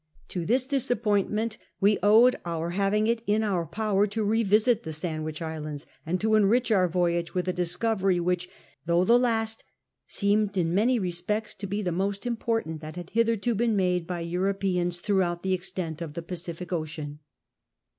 To this disappointment we owed our having it in our pow<w to revisit the Sandwich Island.*?, and to enrich our voyage with a discovery which, though the last, seemed in many respects to be the most important that had hitherto been made by Europeans throughout the extent of the Pacific Ocean.